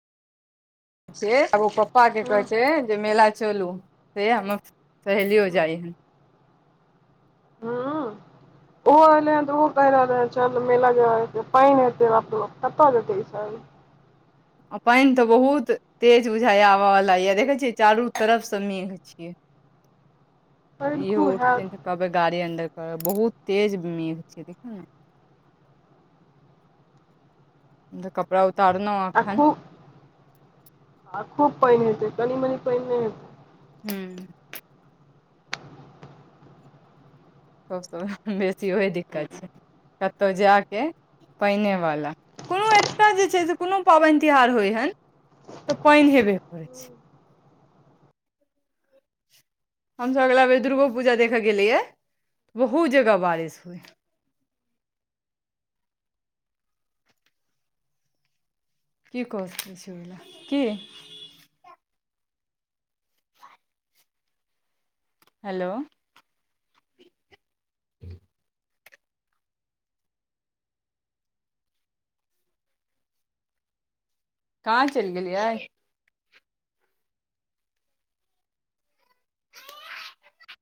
से आब ओ पप्पाके हँ कहैत छैय जे मेला चलू से हमर सहेली यो जाइ ह हँऽ ओहो एले हन तऽ ओहो कहि रहले है चल मेलाजा के पानि हेते बाप रोऽ बाप कतऽ जेते ई सब आ पानि तऽ बहुत तेज बुझाइये आब बला या देखे छियै चारू तरफ स मेघ छैय [inaudible] इहो खूब हैत उठतिन तऽ कहबे गाड़ी अंन्दर करेऽ बहुत तेज मेघ छै देखुने तऽ कपड़ा उतारलहुँ आ एखन खूब आ खूब पानि हेतै कनि मनी पानि नहि हेतै हूँ सभसँ बेसी ओही दिक्कत छै कतहु जायके पैनेवला कोनो एत्तजे छै से कोनो पाबनि तिहार होइहन तऽ पानि हेबे करै छै हमसब अगिलाबेर दुर्गो पूजा देखऽ गेल रहियै बहुत जगह बारिश होइ कि कस छै बला की हेलो कहाँ चलि गेलियै